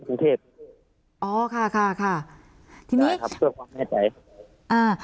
กรุงเทพอ๋อค่ะค่ะค่ะทีนี้ครับเพื่อความแน่ใจอ่า